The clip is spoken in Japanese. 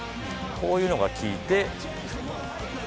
こういうのが効いて。